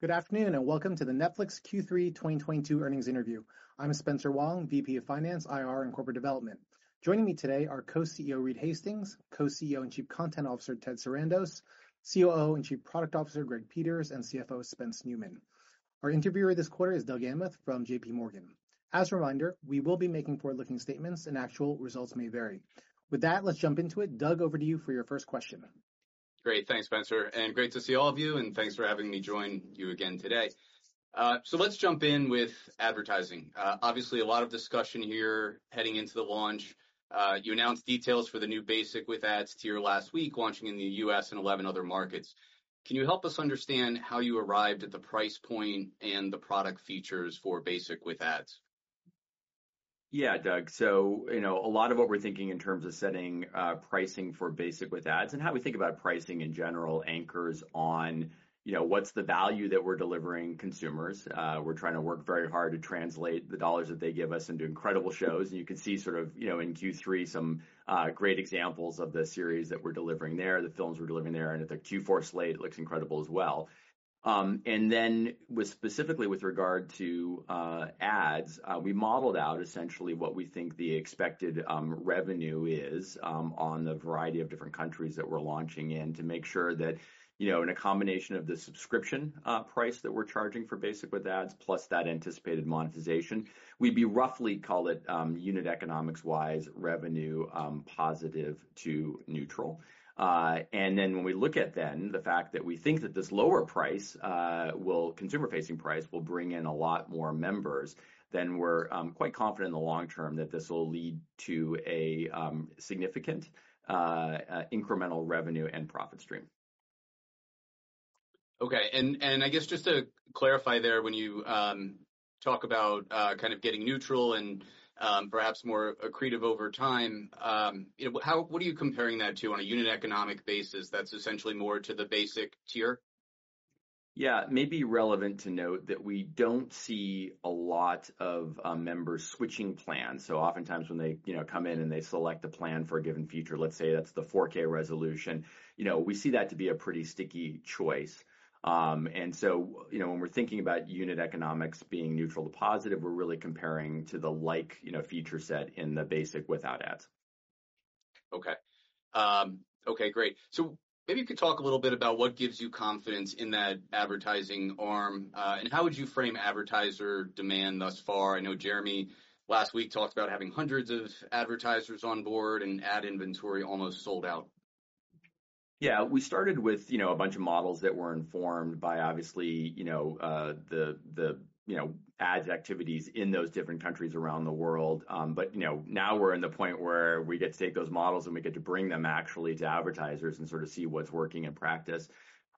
Good afternoon, and welcome to the Netflix Q3 2022 Earnings Interview. I'm Spencer Wang, VP of Finance, IR, and Corporate Development. Joining me today are Co-CEO Reed Hastings, Co-CEO and Chief Content Officer Ted Sarandos, COO and Chief Product Officer Greg Peters, and CFO Spencer Neumann. Our interviewer this quarter is Douglas Anmuth from JPMorgan. As a reminder, we will be making forward-looking statements, and actual results may vary. With that, let's jump into it. Doug, over to you for your first question. Great. Thanks, Spencer, and great to see all of you, and thanks for having me join you again today. So let's jump in with advertising. Obviously a lot of discussion here heading into the launch. You announced details for the new Basic with Ads tier last week, launching in the U.S. and 11 other markets. Can you help us understand how you arrived at the price point and the product features for Basic with Ads? Yeah, Doug. You know, a lot of what we're thinking in terms of setting pricing for Basic with Ads and how we think about pricing in general anchors on you know, what's the value that we're delivering to consumers. We're trying to work very hard to translate the dollars that they give us into incredible shows. You can see sort of, you know, in Q3 some great examples of the series that we're delivering there, the films we're delivering there, and the Q4 slate, it looks incredible as well. With, specifically with regard to ads, we modeled out essentially what we think the expected revenue is on the variety of different countries that we're launching in to make sure that, you know, in a combination of the subscription price that we're charging for Basic with Ads, plus that anticipated monetization, we'd be roughly, call it, unit economics-wise, revenue positive to neutral. When we look at the fact that we think that this lower price, consumer-facing price, will bring in a lot more members, we're quite confident in the long term that this will lead to a significant incremental revenue and profit stream. I guess just to clarify there, when you talk about kind of getting neutral and perhaps more accretive over time, you know, what are you comparing that to on a unit economic basis that's essentially more to the basic tier? Yeah. It may be relevant to note that we don't see a lot of members switching plans. Oftentimes when they, you know, come in and they select a plan for a given feature, let's say that's the 4K resolution, you know, we see that to be a pretty sticky choice. You know, when we're thinking about unit economics being neutral to positive, we're really comparing to the like, you know, feature set in the Basic without ads. Okay, great. Maybe you could talk a little bit about what gives you confidence in that advertising arm, and how would you frame advertiser demand thus far? I know Jeremy last week talked about having hundreds of advertisers on board and ad inventory almost sold out. Yeah. We started with, you know, a bunch of models that were informed by obviously, you know, the ads activities in those different countries around the world. You know, now we're at the point where we get to take those models and we get to bring them actually to advertisers and sort of see what's working in practice.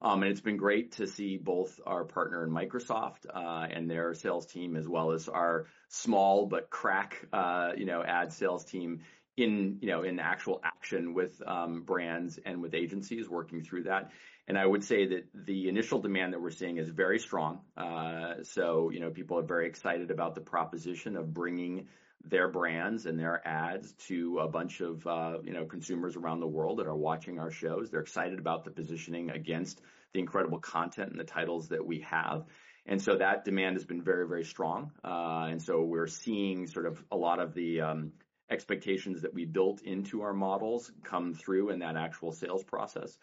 It's been great to see both our partner, Microsoft, and their sales team as well as our small but crack ad sales team in actual action with brands and with agencies working through that. I would say that the initial demand that we're seeing is very strong. People are very excited about the proposition of bringing their brands and their ads to a bunch of, you know, consumers around the world that are watching our shows. They're excited about the positioning against the incredible content and the titles that we have. That demand has been very, very strong. We're seeing sort of a lot of the expectations that we built into our models come through in that actual sales process.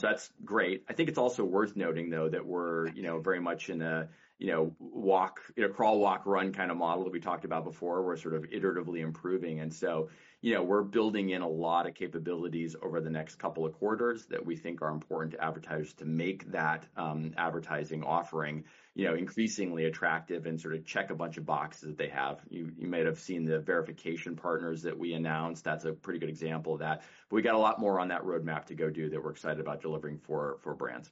That's great. I think it's also worth noting, though, that we're, you know, very much in a, you know, crawl, walk, run kind of model that we talked about before. We're sort of iteratively improving. You know, we're building in a lot of capabilities over the next couple of quarters that we think are important to advertisers to make that advertising offering increasingly attractive and sort of check a bunch of boxes that they have. You might have seen the verification partners that we announced. That's a pretty good example of that. We got a lot more on that roadmap to go do that we're excited about delivering for brands.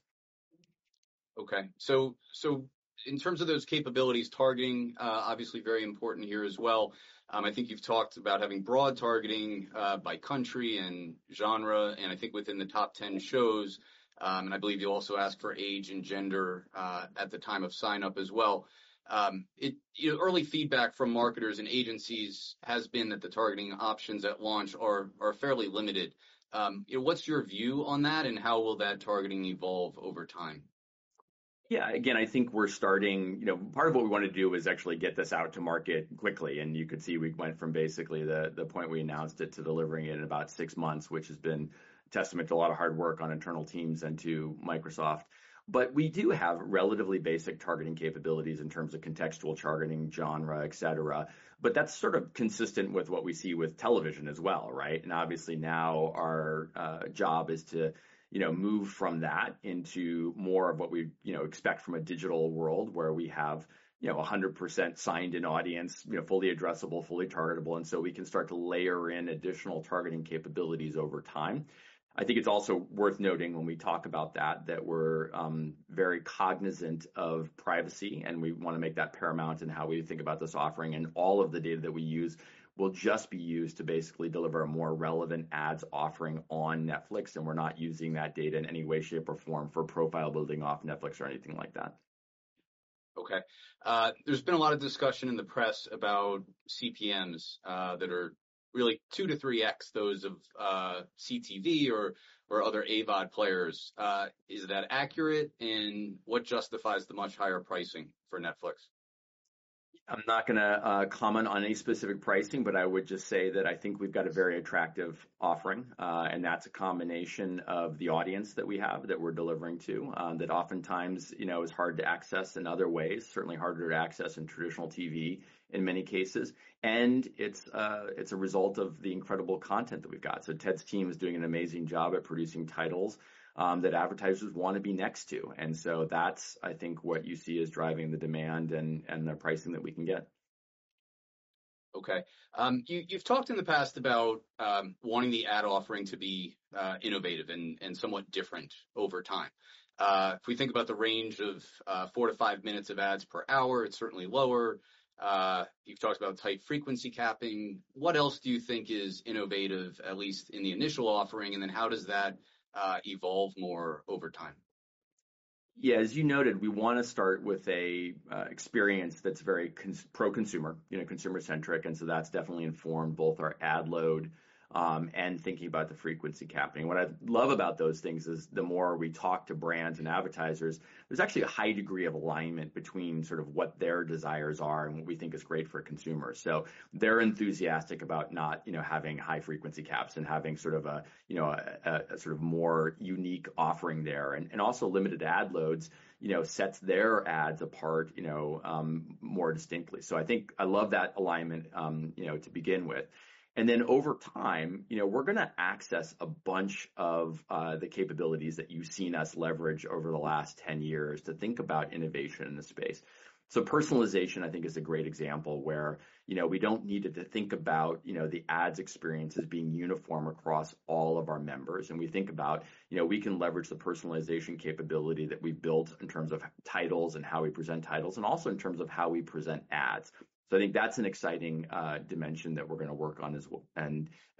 In terms of those capabilities, targeting, obviously very important here as well. I think you've talked about having broad targeting, by country and genre and I think within the top 10 shows, and I believe you'll also ask for age and gender, at the time of sign-up as well. You know, early feedback from marketers and agencies has been that the targeting options at launch are fairly limited. You know, what's your view on that, and how will that targeting evolve over time? Yeah. Again, I think we're starting. You know, part of what we wanna do is actually get this out to market quickly. You could see we went from basically the point we announced it to delivering it in about six months, which has been testament to a lot of hard work on internal teams and to Microsoft. We do have relatively basic targeting capabilities in terms of contextual targeting, genre, et cetera. That's sort of consistent with what we see with television as well, right? Obviously now our job is to, you know, move from that into more of what we, you know, expect from a digital world where we have, you know, 100% signed in audience, you know, fully addressable, fully targetable, and so we can start to layer in additional targeting capabilities over time. I think it's also worth noting when we talk about that we're very cognizant of privacy, and we wanna make that paramount in how we think about this offering. All of the data that we use will just be used to basically deliver a more relevant ads offering on Netflix, and we're not using that data in any way, shape, or form for profile building off Netflix or anything like that. Okay. There's been a lot of discussion in the press about CPMs that are really 2-3x those of CTV or other AVOD players. Is that accurate? What justifies the much higher pricing for Netflix? I'm not gonna comment on any specific pricing, but I would just say that I think we've got a very attractive offering. That's a combination of the audience that we have, that we're delivering to, that oftentimes, you know, is hard to access in other ways, certainly harder to access in traditional TV in many cases. It's a result of the incredible content that we've got. Ted's team is doing an amazing job at producing titles that advertisers wanna be next to. That's, I think, what you see is driving the demand and the pricing that we can get. Okay. You've talked in the past about wanting the ad offering to be innovative and somewhat different over time. If we think about the range of 4-5 minutes of ads per hour, it's certainly lower. You've talked about tight frequency capping. What else do you think is innovative, at least in the initial offering, and then how does that evolve more over time? Yeah. As you noted, we wanna start with a experience that's very pro-consumer, you know, consumer-centric, and so that's definitely informed both our ad load, and thinking about the frequency capping. What I love about those things is the more we talk to brands and advertisers, there's actually a high degree of alignment between sort of what their desires are and what we think is great for consumers. They're enthusiastic about not, you know, having high frequency caps and having sort of a, you know, a sort of more unique offering there. Also limited ad loads, you know, sets their ads apart, you know, more distinctly. I think I love that alignment, you know, to begin with. Over time, you know, we're gonna access a bunch of the capabilities that you've seen us leverage over the last 10 years to think about innovation in the space. Personalization, I think, is a great example where, you know, we don't need to think about, you know, the ads experience as being uniform across all of our members. We think about, you know, we can leverage the personalization capability that we've built in terms of titles and how we present titles, and also in terms of how we present ads. I think that's an exciting dimension that we're gonna work on as well.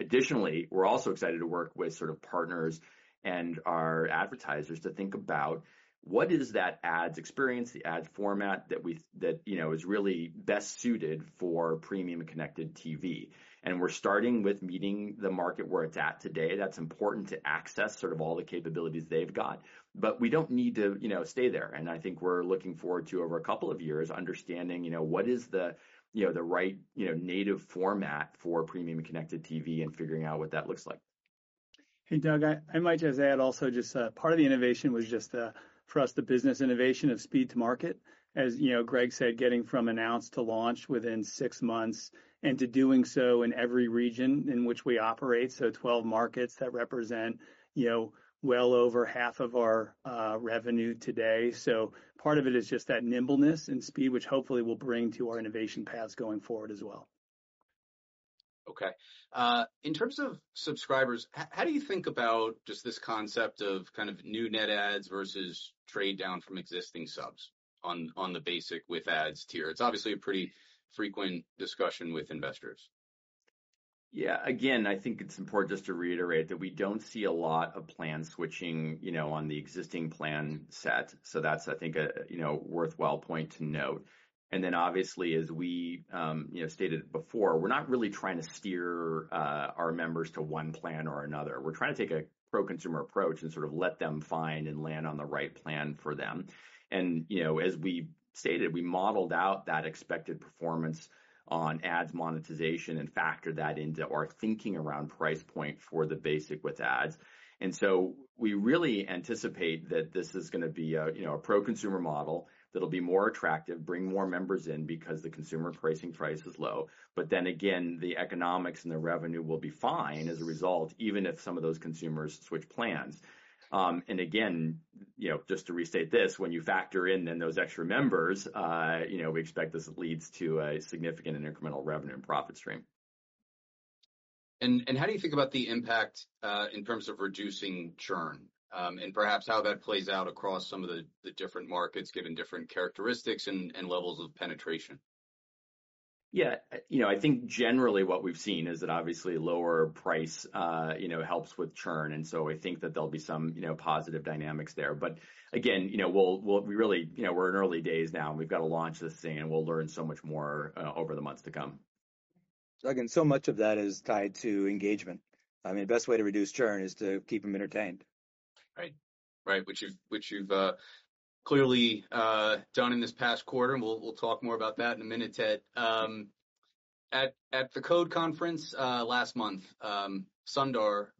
Additionally, we're also excited to work with sort of partners and our advertisers to think about what is that ads experience, the ad format that, you know, is really best suited for premium connected TV. We're starting with meeting the market where it's at today. That's important to access sort of all the capabilities they've got. We don't need to, you know, stay there, and I think we're looking forward to over a couple of years understanding, you know, what is the, you know, the right, you know, native format for premium connected TV and figuring out what that looks like. Hey, Doug, I might just add also just part of the innovation was just for us, the business innovation of speed to market. As you know, Greg said, getting from announce to launch within 6 months and to doing so in every region in which we operate, so 12 markets that represent, you know, well over half of our revenue today. Part of it is just that nimbleness and speed, which hopefully we'll bring to our innovation paths going forward as well. Okay. In terms of subscribers, how do you think about just this concept of kind of new net adds versus trade down from existing subs on the Basic with Ads tier? It's obviously a pretty frequent discussion with investors. Yeah. Again, I think it's important just to reiterate that we don't see a lot of plan switching, you know, on the existing plan set. That's, I think a, you know, worthwhile point to note. Obviously as we, you know, stated before, we're not really trying to steer our members to one plan or another. We're trying to take a pro-consumer approach and sort of let them find and land on the right plan for them. You know, as we stated, we modeled out that expected performance on ads monetization and factored that into our thinking around price point for the Basic with Ads. We really anticipate that this is gonna be a, you know, a pro-consumer model that'll be more attractive, bring more members in because the consumer pricing price is low. Again, the economics and the revenue will be fine as a result, even if some of those consumers switch plans. Again, you know, just to restate this, when you factor in then those extra members, you know, we expect this leads to a significant and incremental revenue and profit stream. How do you think about the impact in terms of reducing churn, and perhaps how that plays out across some of the different markets, given different characteristics and levels of penetration? Yeah. You know, I think generally what we've seen is that obviously lower price, you know, helps with churn, and so I think that there'll be some, you know, positive dynamics there. But again, you know, we really, you know, we're in early days now and we've got to launch this thing, and we'll learn so much more over the months to come. Doug, much of that is tied to engagement. I mean, the best way to reduce churn is to keep them entertained. Right. Which you've clearly done in this past quarter, and we'll talk more about that in a minute, Ted Sarandos. At the Code Conference last month, Satya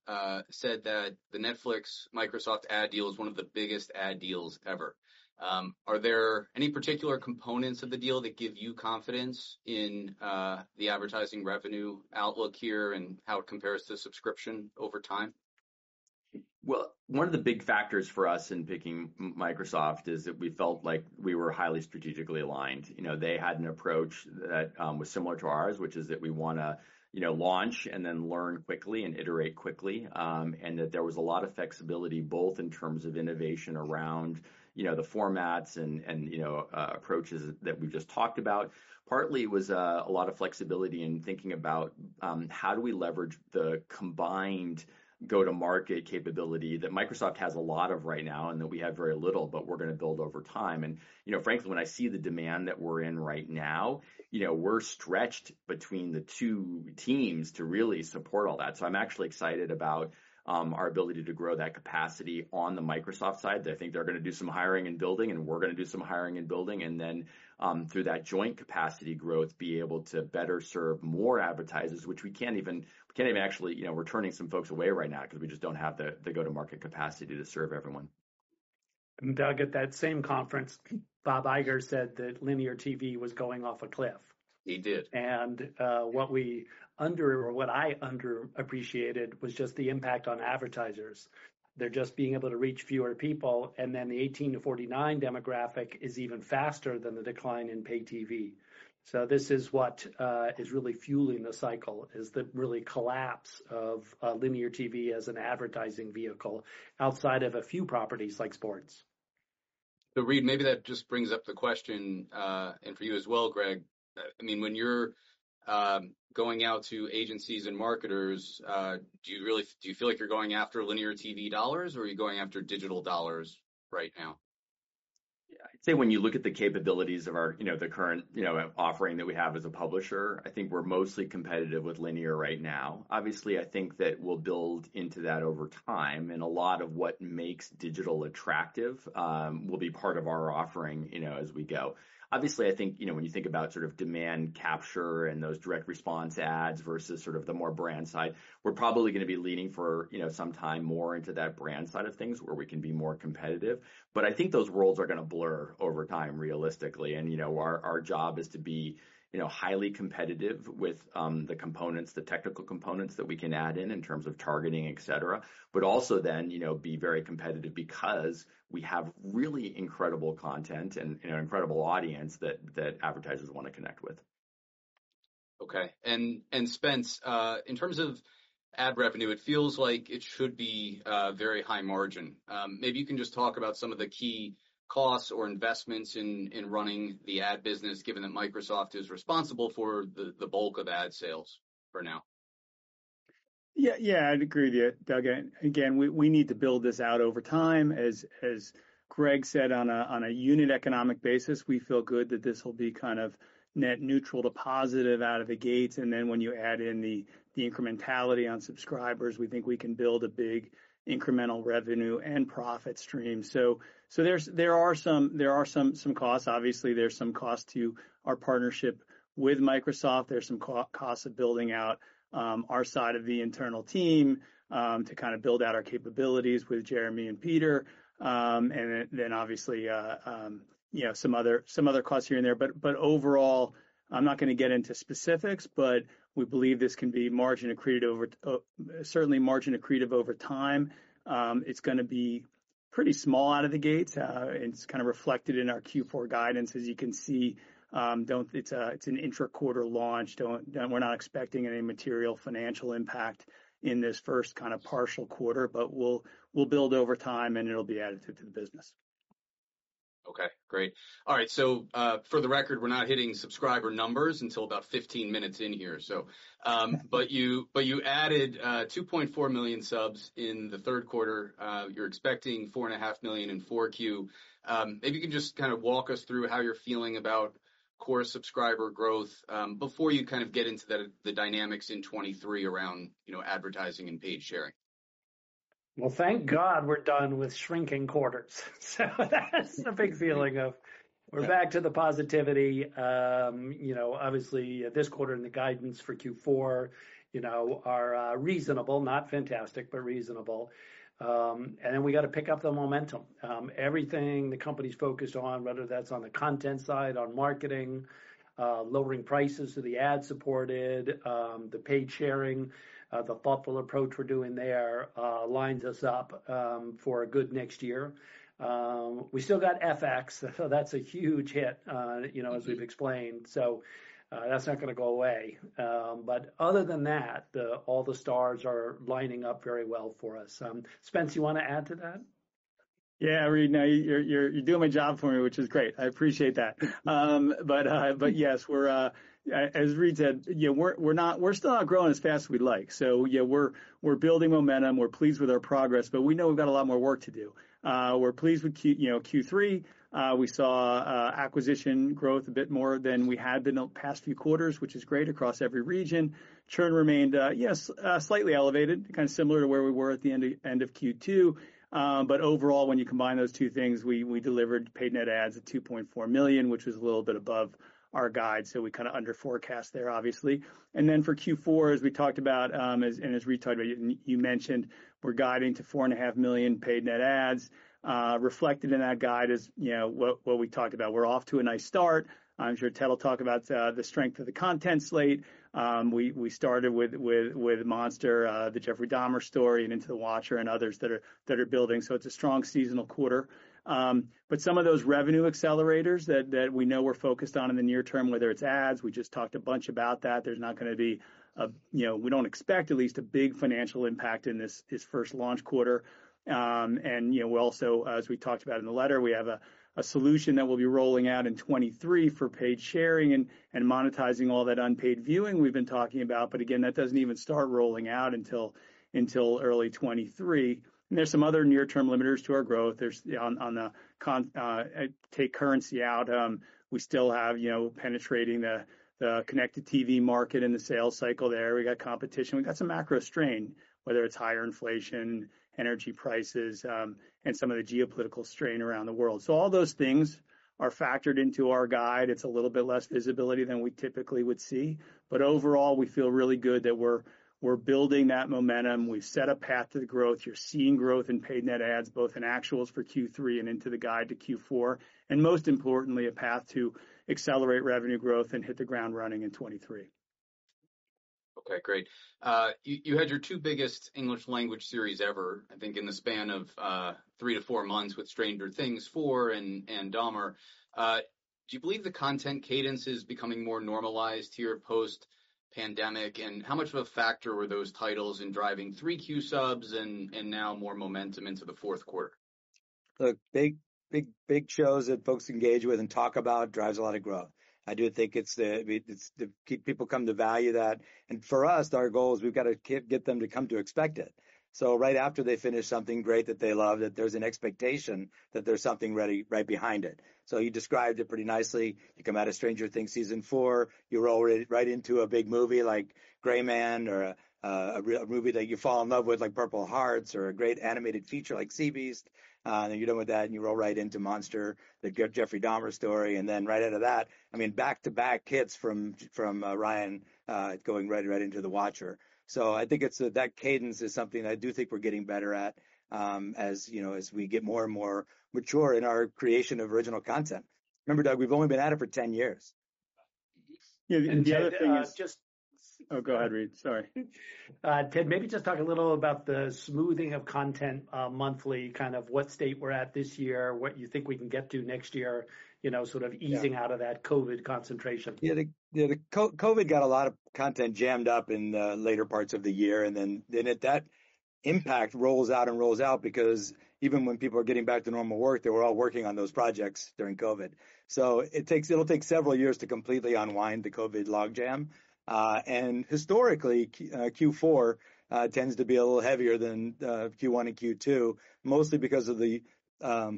Nadella said that the Netflix Microsoft ad deal is one of the biggest ad deals ever. Are there any particular components of the deal that give you confidence in the advertising revenue outlook here and how it compares to subscription over time? Well, one of the big factors for us in picking Microsoft is that we felt like we were highly strategically aligned. You know, they had an approach that was similar to ours, which is that we wanna, you know, launch and then learn quickly and iterate quickly, and that there was a lot of flexibility, both in terms of innovation around, you know, the formats and approaches that we've just talked about. Partly it was a lot of flexibility in thinking about how do we leverage the combined go-to-market capability that Microsoft has a lot of right now and that we have very little, but we're gonna build over time. You know, frankly, when I see the demand that we're in right now, you know, we're stretched between the two teams to really support all that. I'm actually excited about our ability to grow that capacity on the Microsoft side. I think they're gonna do some hiring and building, and we're gonna do some hiring and building, and then through that joint capacity growth, be able to better serve more advertisers, which we actually can't even, you know, we're turning some folks away right now 'cause we just don't have the go-to-market capacity to serve everyone. Doug, at that same conference, Bob Iger said that linear TV was going off a cliff. He did. What I underappreciated was just the impact on advertisers. They're just being able to reach fewer people, and then the 18-49 demographic is even faster than the decline in paid TV. This is what is really fueling the cycle, is the real collapse of linear TV as an advertising vehicle outside of a few properties like sports. Reed, maybe that just brings up the question, and for you as well, Greg, I mean, when you're going out to agencies and marketers, do you feel like you're going after linear TV dollars, or are you going after digital dollars right now? Yeah. I'd say when you look at the capabilities of our, you know, the current, you know, offering that we have as a publisher, I think we're mostly competitive with linear right now. Obviously, I think that we'll build into that over time, and a lot of what makes digital attractive will be part of our offering, you know, as we go. Obviously, I think, you know, when you think about sort of demand capture and those direct response ads versus sort of the more brand side, we're probably gonna be leaning for, you know, some time more into that brand side of things where we can be more competitive. But I think those roles are gonna blur over time, realistically. You know, our job is to be, you know, highly competitive with the components, the technical components that we can add in in terms of targeting, et cetera. But also then, you know, be very competitive because we have really incredible content and an incredible audience that advertisers wanna connect with. Okay. Spence, in terms of ad revenue, it feels like it should be very high margin. Maybe you can just talk about some of the key costs or investments in running the ad business, given that Microsoft is responsible for the bulk of ad sales for now. Yeah, yeah, I'd agree with you, Doug. Again, we need to build this out over time. As Greg said, on a unit economic basis, we feel good that this will be kind of net neutral to positive out of the gates. When you add in the incrementality on subscribers, we think we can build a big incremental revenue and profit stream. There are some costs. Obviously, there's some cost to our partnership with Microsoft. There's some cost of building out our side of the internal team to kind of build out our capabilities with Jeremy and Peter. Obviously, you know, some other costs here and there. Overall, I'm not gonna get into specifics, but we believe this can be margin accretive over time. It's gonna be pretty small out of the gates. It's kinda reflected in our Q4 guidance, as you can see. It's an intra-quarter launch. We're not expecting any material financial impact in this first kinda partial quarter, but we'll build over time, and it'll be additive to the business. Okay, great. All right. For the record, we're not hitting subscriber numbers until about 15 minutes in here. You added 2.4 million subs in the third quarter. You're expecting 4.5 million in 4Q. Maybe you can just kinda walk us through how you're feeling about core subscriber growth before you kind of get into the dynamics in 2023 around, you know, advertising and paid sharing. Well, thank God we're done with shrinking quarters. That's the big feeling of we're back to the positivity. You know, obviously, this quarter and the guidance for Q4, you know, are reasonable, not fantastic, but reasonable. We gotta pick up the momentum. Everything the company's focused on, whether that's on the content side, on marketing, lowering prices of the ad-supported, the paid sharing, the thoughtful approach we're doing there, lines us up for a good next year. We still got FX, so that's a huge hit, you know, as we've explained. That's not gonna go away. But other than that, all the stars are lining up very well for us. Spence, you wanna add to that? Yeah, Reed, no, you're doing my job for me, which is great. I appreciate that. Yes, we're as Reed said, you know, we're still not growing as fast as we'd like. Yeah, we're building momentum. We're pleased with our progress, but we know we've got a lot more work to do. We're pleased with Q3. We saw acquisition growth a bit more than we had been the past few quarters, which is great across every region. Churn remained slightly elevated, kinda similar to where we were at the end of Q2. Overall, when you combine those two things, we delivered paid net adds of 2.4 million, which was a little bit above our guide, so we kinda underforecast there obviously. Then for Q4, as we talked about, as As Reed talked about, you mentioned, we're guiding to 4.5 million paid net adds. Reflected in that guide is, you know, what we talked about. We're off to a nice start. I'm sure Ted will talk about the strength of the content slate. We started with Dahmer – Monster: The Jeffrey Dahmer Story and into The Watcher and others that are building. It's a strong seasonal quarter. But some of those revenue accelerators that we know we're focused on in the near term, whether it's ads, we just talked a bunch about that. We don't expect at least a big financial impact in this first launch quarter. We also, as we talked about in the letter, have a solution that we'll be rolling out in 2023 for paid sharing and monetizing all that unpaid viewing we've been talking about. Again, that doesn't even start rolling out until early 2023. There's some other near-term limiters to our growth. Take currency out, we still have penetrating the connected TV market and the sales cycle there. We got competition. We got some macro strain, whether it's higher inflation, energy prices, and some of the geopolitical strain around the world. All those things are factored into our guide. It's a little bit less visibility than we typically would see. Overall, we feel really good that we're building that momentum. We've set a path to the growth. You're seeing growth in paid net adds both in actuals for Q3 and into the guide to Q4, and most importantly, a path to accelerate revenue growth and hit the ground running in 2023. Okay, great. You had your two biggest English language series ever, I think in the span of 3-4 months with Stranger Things 4 and Dahmer. Do you believe the content cadence is becoming more normalized here post-pandemic? How much of a factor were those titles in driving 3Q subs and now more momentum into the fourth quarter? Look, big shows that folks engage with and talk about drives a lot of growth. I do think people come to value that. For us, our goal is we've gotta get them to come to expect it. Right after they finish something great that they love, that there's an expectation that there's something ready right behind it. You described it pretty nicely. You come out of Stranger Things season four, you roll right into a big movie like The Gray Man or a real movie that you fall in love with, like Purple Hearts, or a great animated feature like The Sea Beast. You're done with that, and you roll right into Monster: The Jeffrey Dahmer Story. Right out of that, I mean, back-to-back hits from Ryan, going right into The Watcher. I think it's that cadence is something I do think we're getting better at, as you know, as we get more and more mature in our creation of original content. Remember, Doug, we've only been at it for 10 years. Yeah. The other thing is. So, uh, just- Oh, go ahead, Reed. Sorry. Ted, maybe just talk a little about the smoothing of content monthly, kind of what state we're at this year, what you think we can get to next year, you know, sort of easing- Yeah out of that COVID concentration. The COVID got a lot of content jammed up in the later parts of the year, and then that impact rolls out because even when people are getting back to normal work, they were all working on those projects during COVID. It'll take several years to completely unwind the COVID logjam. Historically, Q4 tends to be a little heavier than Q1 and Q2, mostly because of the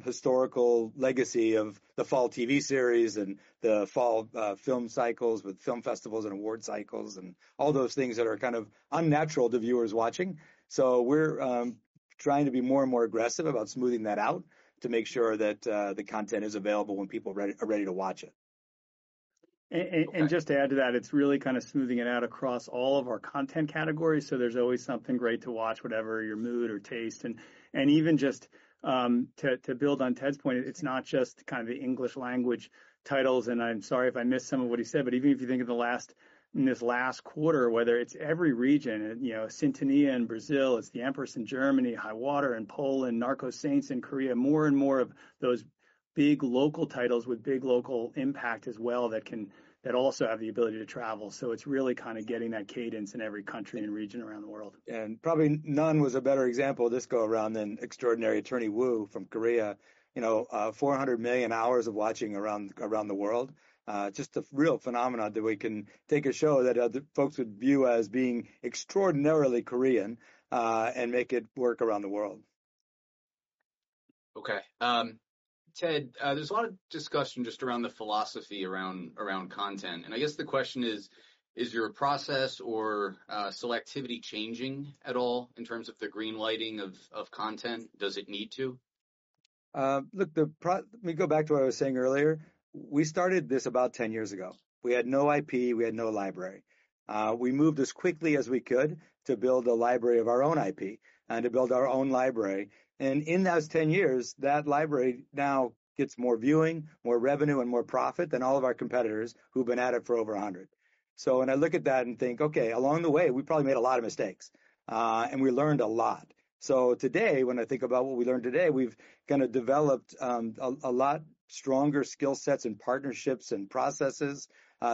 historical legacy of the fall TV series and the fall film cycles with film festivals and award cycles and all those things that are kind of unnatural to viewers watching. We're trying to be more and more aggressive about smoothing that out to make sure that the content is available when people are ready to watch it. Just to add to that, it's really kind of smoothing it out across all of our content categories, so there's always something great to watch, whatever your mood or taste. Even just to build on Ted's point, it's not just kind of the English language titles, and I'm sorry if I missed some of what he said, but even if you think of in this last quarter, whether it's every region, you know, Sintonia in Brazil, it's The Empress in Germany, High Water in Poland, Narco-Saints in Korea. More and more of those big local titles with big local impact as well that can also have the ability to travel. It's really kind of getting that cadence in every country and region around the world. Probably none was a better example this go around than Extraordinary Attorney Woo from Korea. You know, 400 million hours of watching around the world. Just a real phenomenon that we can take a show that other folks would view as being extraordinarily Korean, and make it work around the world. Ted, there's a lot of discussion just around the philosophy around content, and I guess the question is: Is your process or selectivity changing at all in terms of the greenlighting of content? Does it need to? Look, let me go back to what I was saying earlier. We started this about 10 years ago. We had no IP. We had no library. We moved as quickly as we could to build a library of our own IP and to build our own library. In those 10 years, that library now gets more viewing, more revenue, and more profit than all of our competitors who've been at it for over 100. When I look at that and think, "Okay, along the way, we probably made a lot of mistakes," and we learned a lot. Today, when I think about what we learned today, we've kind of developed a lot stronger skill sets and partnerships and processes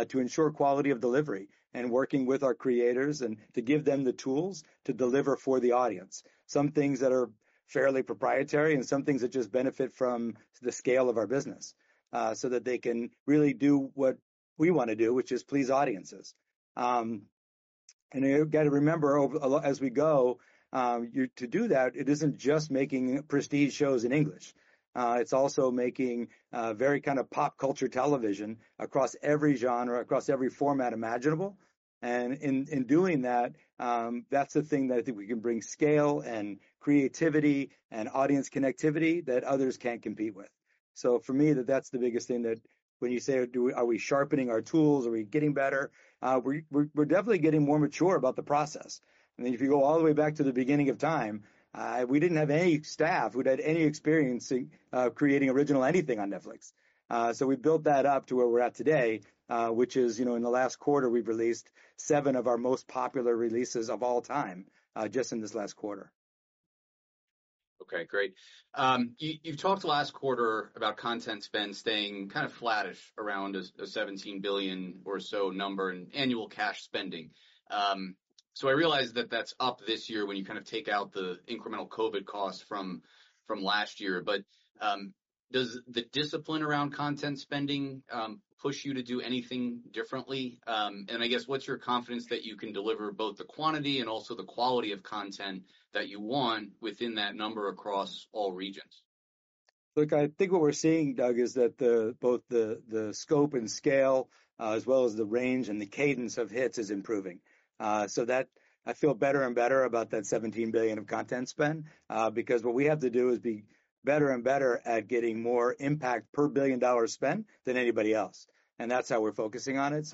to ensure quality of delivery and working with our creators and to give them the tools to deliver for the audience. Some things that are fairly proprietary and some things that just benefit from the scale of our business so that they can really do what we wanna do, which is please audiences. You gotta remember as we go to do that, it isn't just making prestige shows in English. It's also making very kind of pop culture television across every genre, across every format imaginable. In doing that's the thing that I think we can bring scale and creativity and audience connectivity that others can't compete with. For me, that's the biggest thing that when you say, are we sharpening our tools? Are we getting better? We're definitely getting more mature about the process. I mean, if you go all the way back to the beginning of time, we didn't have any staff who'd had any experience in creating original anything on Netflix. We built that up to where we're at today, which is, you know, in the last quarter, we've released 7 of our most popular releases of all time, just in this last quarter. Okay, great. You've talked last quarter about content spend staying kind of flattish around a $17 billion or so number in annual cash spending. I realize that that's up this year when you kind of take out the incremental COVID costs from last year. Does the discipline around content spending push you to do anything differently? I guess what's your confidence that you can deliver both the quantity and also the quality of content that you want within that number across all regions? Look, I think what we're seeing, Doug, is that both the scope and scale, as well as the range and the cadence of hits is improving. So that I feel better and better about that $17 billion of content spend, because what we have to do is be better and better at getting more impact per $1 billion spent than anybody else, and that's how we're focusing on it.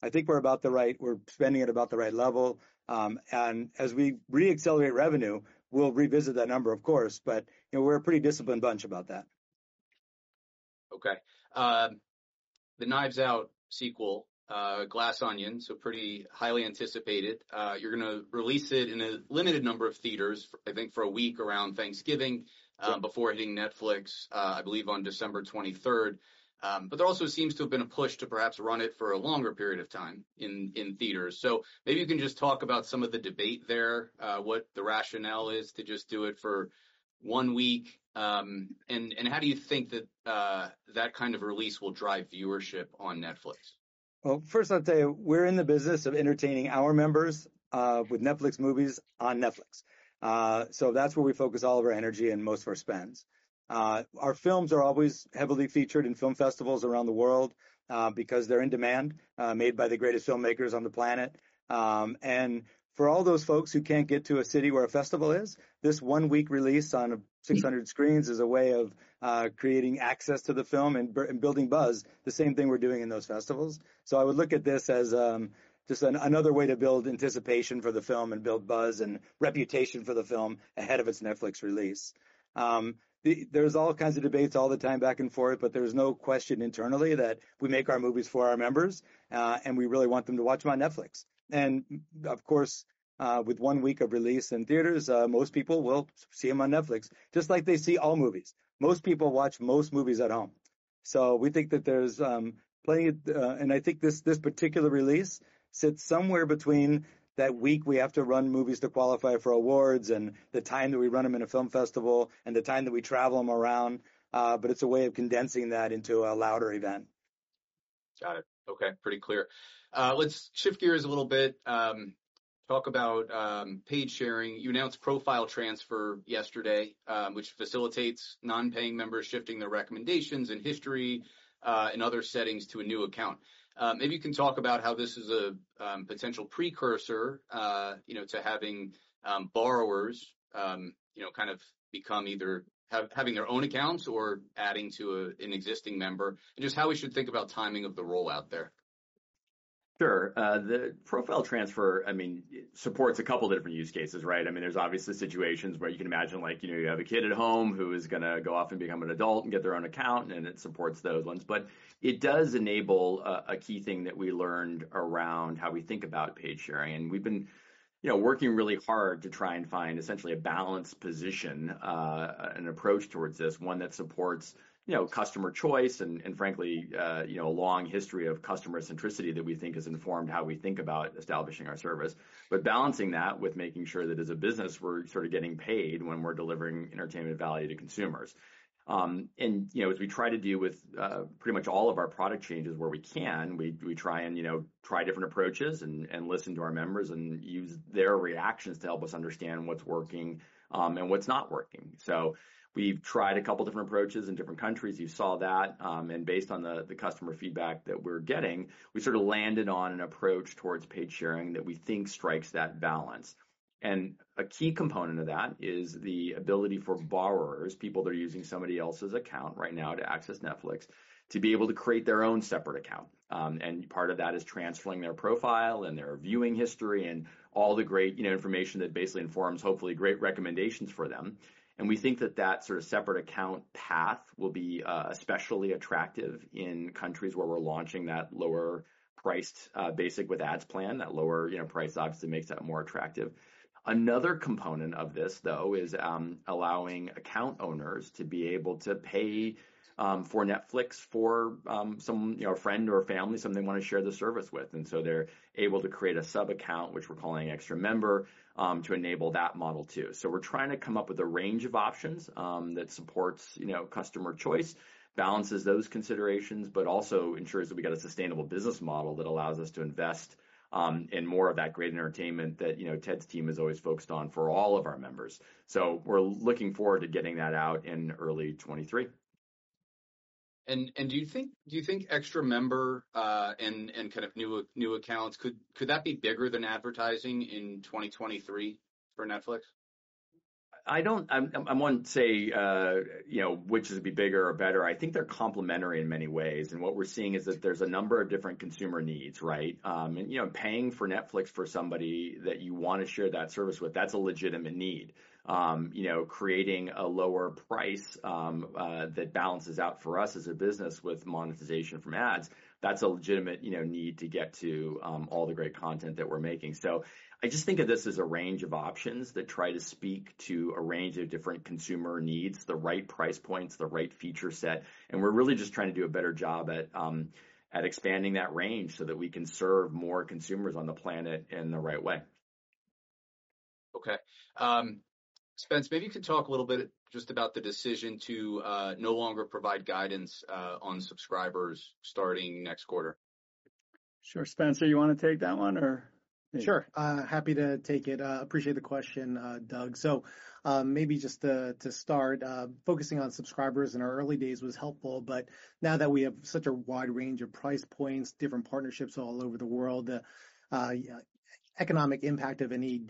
I think we're spending at about the right level. As we re-accelerate revenue, we'll revisit that number, of course, but, you know, we're a pretty disciplined bunch about that. Okay. The Knives Out sequel, Glass Onion, so pretty highly anticipated. You're gonna release it in a limited number of theaters, I think for a week around Thanksgiving, before hitting Netflix, I believe on December 23rd. There also seems to have been a push to perhaps run it for a longer period of time in theaters. Maybe you can just talk about some of the debate there, what the rationale is to just do it for one week, and how do you think that kind of release will drive viewership on Netflix? Well, first, I'll tell you, we're in the business of entertaining our members with Netflix movies on Netflix. That's where we focus all of our energy and most of our spends. Our films are always heavily featured in film festivals around the world because they're in demand, made by the greatest filmmakers on the planet. For all those folks who can't get to a city where a festival is, this one-week release on 600 screens is a way of creating access to the film and building buzz, the same thing we're doing in those festivals. I would look at this as just another way to build anticipation for the film and build buzz and reputation for the film ahead of its Netflix release. There's all kinds of debates all the time back and forth, but there's no question internally that we make our movies for our members, and we really want them to watch them on Netflix. Of course, with one week of release in theaters, most people will see them on Netflix, just like they see all movies. Most people watch most movies at home. We think that there's plenty. I think this particular release sits somewhere between that week we have to run movies to qualify for awards and the time that we run them in a film festival and the time that we travel them around, but it's a way of condensing that into a louder event. Got it. Okay. Pretty clear. Let's shift gears a little bit, talk about paid sharing. You announced profile transfer yesterday, which facilitates non-paying members shifting their recommendations and history, and other settings to a new account. Maybe you can talk about how this is a potential precursor, you know, to having borrowers, you know, kind of become either having their own accounts or adding to an existing member, and just how we should think about timing of the rollout there. Sure. The profile transfer, I mean, supports a couple different use cases, right? I mean, there's obviously situations where you can imagine, like, you know, you have a kid at home who is gonna go off and become an adult and get their own account, and it supports those ones. It does enable a key thing that we learned around how we think about paid sharing. We've been, you know, working really hard to try and find essentially a balanced position, an approach towards this, one that supports, you know, customer choice and frankly, you know, a long history of customer centricity that we think has informed how we think about establishing our service. Balancing that with making sure that as a business, we're sort of getting paid when we're delivering entertainment value to consumers. You know, as we try to do with pretty much all of our product changes where we can, we try and try different approaches and listen to our members and use their reactions to help us understand what's working and what's not working. We've tried a couple different approaches in different countries. You saw that. Based on the customer feedback that we're getting, we sort of landed on an approach towards paid sharing that we think strikes that balance. A key component of that is the ability for borrowers, people that are using somebody else's account right now to access Netflix, to be able to create their own separate account. Part of that is transferring their profile and their viewing history and all the great, you know, information that basically informs, hopefully, great recommendations for them. We think that that sort of separate account path will be especially attractive in countries where we're launching that lower-priced Basic with Ads plan. That lower, you know, price obviously makes that more attractive. Another component of this, though, is allowing account owners to be able to pay for Netflix for some, you know, friend or family, someone they want to share the service with. They're able to create a sub-account, which we're calling Extra Member to enable that model too. We're trying to come up with a range of options that supports, you know, customer choice, balances those considerations, but also ensures that we've got a sustainable business model that allows us to invest in more of that great entertainment that, you know, Ted's team is always focused on for all of our members. We're looking forward to getting that out in early 2023. Do you think extra member and kind of new accounts could that be bigger than advertising in 2023 for Netflix? I'm wanting to say, you know, which is to be bigger or better. I think they're complementary in many ways. What we're seeing is that there's a number of different consumer needs, right? You know, paying for Netflix for somebody that you want to share that service with, that's a legitimate need. You know, creating a lower price that balances out for us as a business with monetization from ads, that's a legitimate, you know, need to get to all the great content that we're making. I just think of this as a range of options that try to speak to a range of different consumer needs, the right price points, the right feature set, and we're really just trying to do a better job at expanding that range so that we can serve more consumers on the planet in the right way. Okay. Spence, maybe you could talk a little bit just about the decision to no longer provide guidance on subscribers starting next quarter. Sure. Spencer, you wanna take that one or? Sure. Happy to take it. Appreciate the question, Doug. Maybe just to start, focusing on subscribers in our early days was helpful, but now that we have such a wide range of price points, different partnerships all over the world, economic impact of any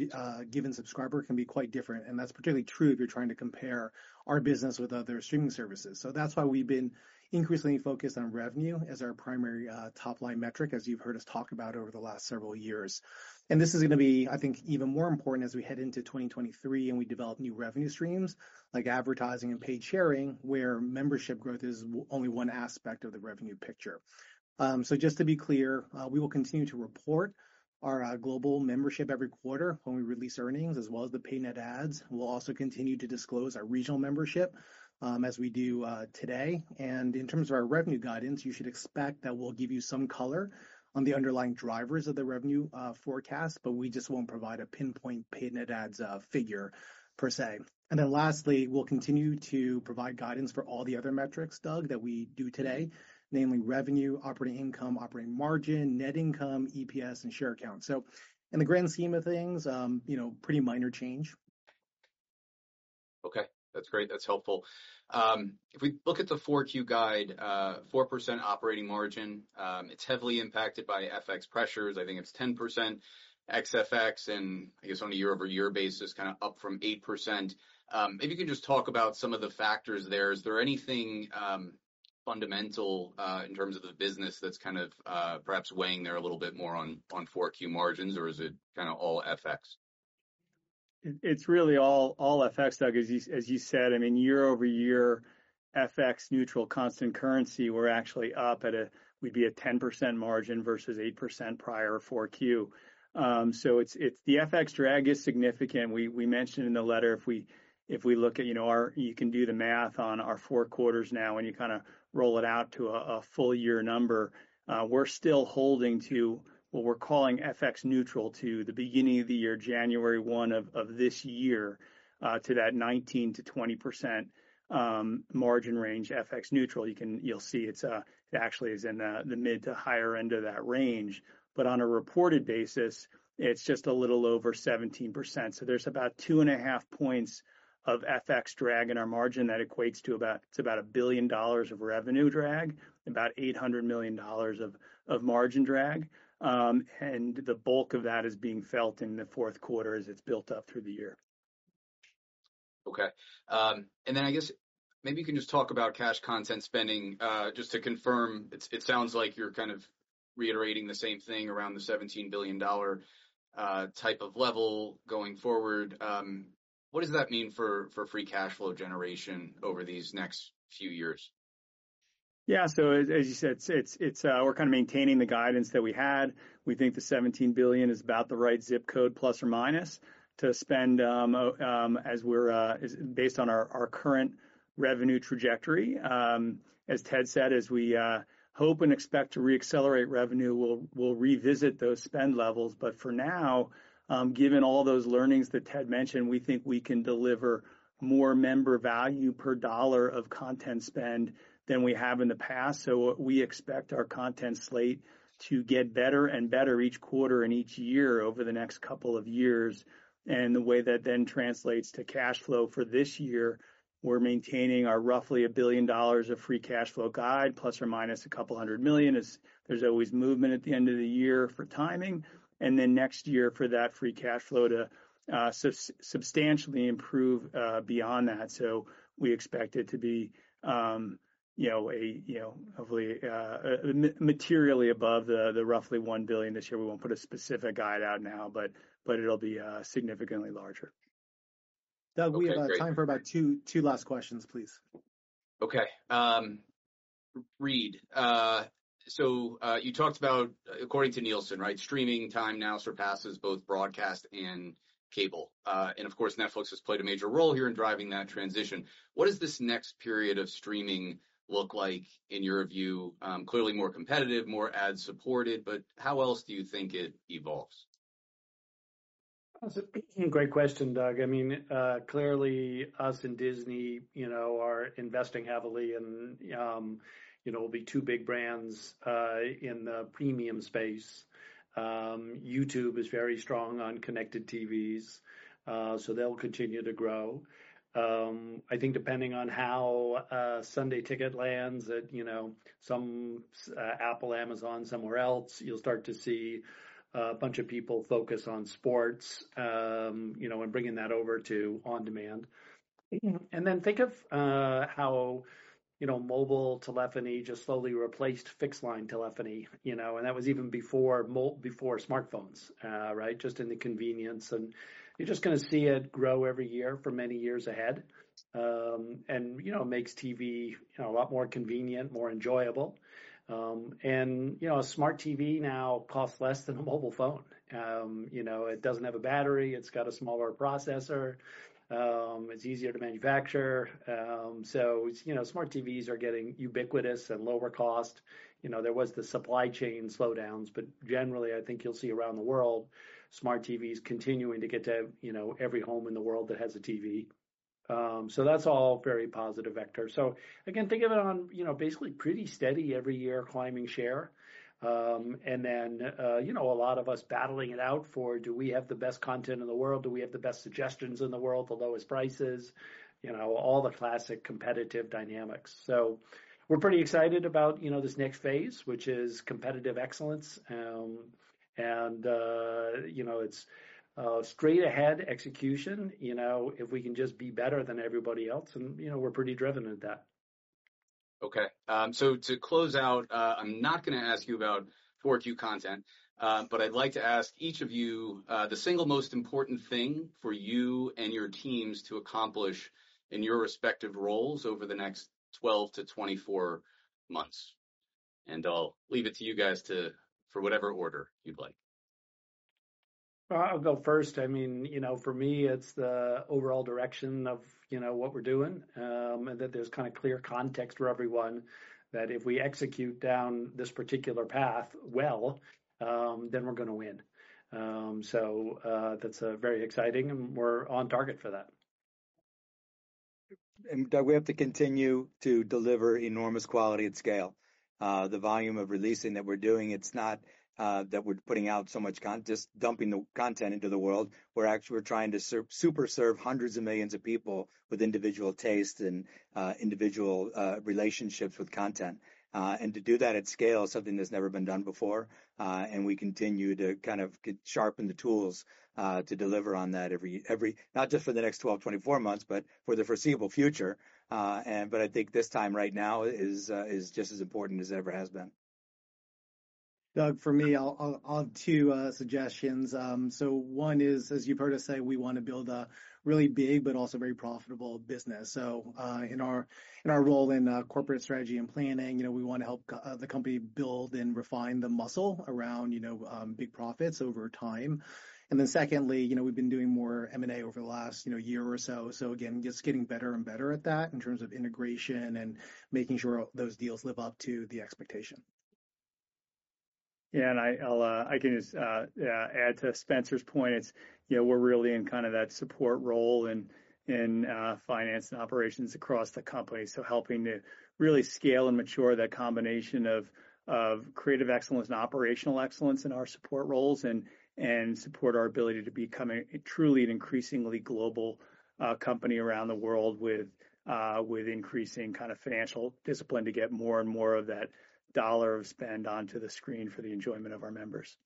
given subscriber can be quite different, and that's particularly true if you're trying to compare our business with other streaming services. That's why we've been increasingly focused on revenue as our primary top-line metric, as you've heard us talk about over the last several years. This is gonna be, I think, even more important as we head into 2023 and we develop new revenue streams, like advertising and paid sharing, where membership growth is only one aspect of the revenue picture. Just to be clear, we will continue to report our global membership every quarter when we release earnings, as well as the paid net adds. We'll also continue to disclose our regional membership, as we do today. In terms of our revenue guidance, you should expect that we'll give you some color on the underlying drivers of the revenue forecast, but we just won't provide a pinpoint paid net adds figure per se. Then lastly, we'll continue to provide guidance for all the other metrics, Doug, that we do today, namely revenue, operating income, operating margin, net income, EPS, and share count. In the grand scheme of things, you know, pretty minor change. Okay. That's great. That's helpful. If we look at the Q4 guide, 4% operating margin, it's heavily impacted by FX pressures. I think it's 10% ex FX, and I guess on a year-over-year basis, kinda up from 8%. Maybe you can just talk about some of the factors there. Is there anything fundamental in terms of the business that's kind of perhaps weighing there a little bit more on Q4 margins, or is it kinda all FX? It's really all FX, Doug, as you said. I mean, year-over-year FX neutral constant currency, we're actually up. We'd be at 10% margin versus 8% prior Q4. It's the FX drag is significant. We mentioned in the letter if we look at, you know, you can do the math on our four quarters now, and you kind of roll it out to a full year number. We're still holding to what we're calling FX neutral to the beginning of the year, January 1 of this year, to that 19%-20% margin range FX neutral. You'll see it's actually it is in the mid to higher end of that range. On a reported basis, it's just a little over 17%. There's about 2.5 points of FX drag in our margin that equates to about $1 billion of revenue drag, about $800 million of margin drag. The bulk of that is being felt in the fourth quarter as it's built up through the year. Okay. I guess maybe you can just talk about cash content spending, just to confirm. It sounds like you're kind of reiterating the same thing around the $17 billion type of level going forward. What does that mean for free cash flow generation over these next few years? Yeah. As you said, we're kinda maintaining the guidance that we had. We think the $17 billion is about the right zip code, ±, to spend based on our current revenue trajectory. As Ted said, as we hope and expect to reaccelerate revenue, we'll revisit those spend levels. For now, given all those learnings that Ted mentioned, we think we can deliver more member value per dollar of content spend than we have in the past. We expect our content slate to get better and better each quarter and each year over the next couple of years. The way that then translates to cash flow for this year, we're maintaining our roughly $1 billion of free cash flow guide, ±$200 million, as there's always movement at the end of the year for timing. Next year for that free cash flow to substantially improve beyond that. We expect it to be, you know, hopefully, a materially above the roughly $1 billion this year. We won't put a specific guide out now, but it'll be significantly larger. Okay, great. Doug, we have time for about two last questions, please. Okay. Reed, you talked about according to Nielsen, right? Streaming time now surpasses both broadcast and cable. Of course, Netflix has played a major role here in driving that transition. What does this next period of streaming look like in your view? Clearly more competitive, more ad-supported, but how else do you think it evolves? That's a great question, Doug. I mean, clearly us and Disney, you know, are investing heavily and, you know, will be two big brands in the premium space. YouTube is very strong on connected TVs, so they'll continue to grow. I think depending on how Sunday Ticket lands at, you know, somewhere, Apple, Amazon, somewhere else, you'll start to see a bunch of people focus on sports, you know, and bringing that over to on-demand. Then think of how, you know, mobile telephony just slowly replaced fixed line telephony, you know. That was even before smartphones, right? Just in the convenience. You're just gonna see it grow every year for many years ahead. You know, makes TV, you know, a lot more convenient, more enjoyable. You know, a smart TV now costs less than a mobile phone. You know, it doesn't have a battery, it's got a smaller processor, it's easier to manufacture. You know, smart TVs are getting ubiquitous and lower cost. You know, there was the supply chain slowdowns, but generally I think you'll see around the world smart TVs continuing to get to, you know, every home in the world that has a TV. That's all very positive vectors. Again, think of it on, you know, basically pretty steady every year climbing share. Then, you know, a lot of us battling it out for do we have the best content in the world? Do we have the best suggestions in the world, the lowest prices? You know, all the classic competitive dynamics. We're pretty excited about, you know, this next phase, which is competitive excellence. You know, it's straight ahead execution, you know, if we can just be better than everybody else and, you know, we're pretty driven at that. Okay, to close out, I'm not gonna ask you about 4Q content, but I'd like to ask each of you the single most important thing for you and your teams to accomplish in your respective roles over the next 12 to 24 months. I'll leave it to you guys for whatever order you'd like. I'll go first. I mean, you know, for me, it's the overall direction of, you know, what we're doing, and that there's kinda clear context for everyone that if we execute down this particular path well, then we're gonna win. That's very exciting, and we're on target for that. Doug, we have to continue to deliver enormous quality at scale. The volume of releasing that we're doing, it's not that we're putting out so much, just dumping the content into the world. We're actually trying to super serve hundreds of millions of people with individual tastes and individual relationships with content. To do that at scale is something that's never been done before, and we continue to kind of sharpen the tools to deliver on that every, not just for the next 12, 24 months, but for the foreseeable future. I think this time right now is just as important as it ever has been. Doug, for me, two suggestions. One is, as you've heard us say, we wanna build a really big but also very profitable business. In our role in corporate strategy and planning, you know, we wanna help the company build and refine the muscle around, you know, big profits over time. Secondly, you know, we've been doing more M&A over the last, you know, year or so. Again, just getting better and better at that in terms of integration and making sure those deals live up to the expectation. Yeah. I'll add to Spencer's point. It's, you know, we're really in kind of that support role in finance and operations across the company. Helping to really scale and mature that combination of creative excellence and operational excellence in our support roles and support our ability to become truly an increasingly global company around the world with increasing kind of financial discipline to get more and more of that dollar of spend onto the screen for the enjoyment of our members.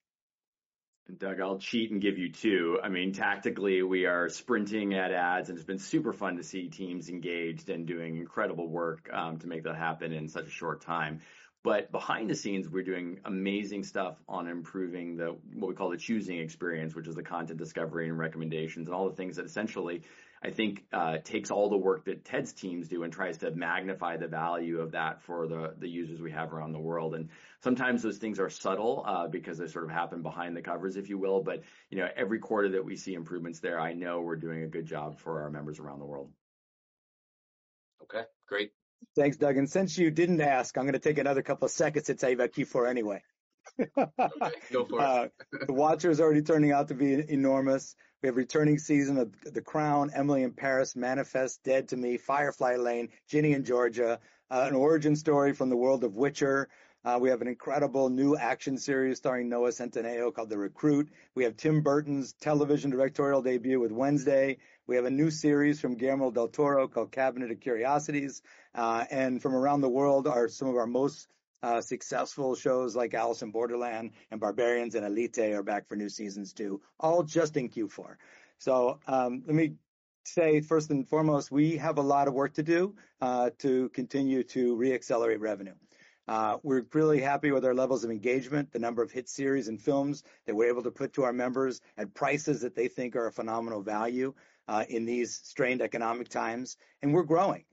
Doug, I'll cheat and give you two. I mean, tactically, we are sprinting at ads, and it's been super fun to see teams engaged and doing incredible work to make that happen in such a short time. Behind the scenes, we're doing amazing stuff on improving the, what we call the choosing experience, which is the content discovery and recommendations and all the things that essentially, I think, takes all the work that Ted's teams do and tries to magnify the value of that for the users we have around the world. Sometimes those things are subtle, because they sort of happen behind the covers, if you will. You know, every quarter that we see improvements there, I know we're doing a good job for our members around the world. Okay, great. Thanks, Doug. Since you didn't ask, I'm gonna take another couple of seconds to tell you about Q4 anyway. Go for it. The Watcher is already turning out to be enormous. We have a returning season of The Crown, Emily in Paris, Manifest, Dead to Me, Firefly Lane, Ginny and Georgia, an origin story from the world of The Witcher. We have an incredible new action series starring Noah Centineo called The Recruit. We have Tim Burton's television directorial debut with Wednesday. We have a new series from Guillermo del Toro called Cabinet of Curiosities. And from around the world are some of our most successful shows like Alice in Borderland and Barbarians and Elite are back for new seasons too, all just in Q4. Let me say first and foremost, we have a lot of work to do to continue to re-accelerate revenue. We're really happy with our levels of engagement, the number of hit series and films that we're able to put to our members at prices that they think are a phenomenal value, in these strained economic times. We're growing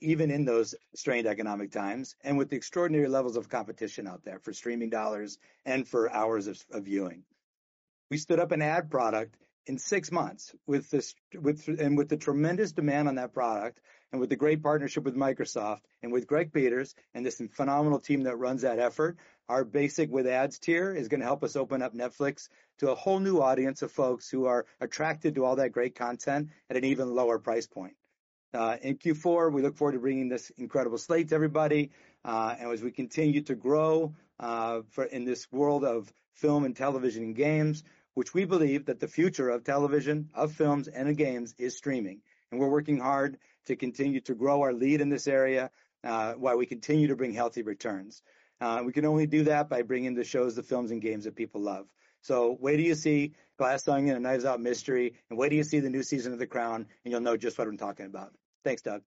even in those strained economic times and with the extraordinary levels of competition out there for streaming dollars and for hours of viewing. We stood up an ad product in six months with this, and with the tremendous demand on that product and with the great partnership with Microsoft and with Greg Peters and this phenomenal team that runs that effort, our Basic with Ads tier is gonna help us open up Netflix to a whole new audience of folks who are attracted to all that great content at an even lower price point. In Q4, we look forward to bringing this incredible slate to everybody. As we continue to grow, in this world of film and television and games, which we believe that the future of television, of films, and of games is streaming. We're working hard to continue to grow our lead in this area, while we continue to bring healthy returns. We can only do that by bringing the shows, the films, and games that people love. Wait till you see Glass Onion: A Knives Out Mystery, and wait till you see the new season of The Crown, and you'll know just what I'm talking about. Thanks, Doug.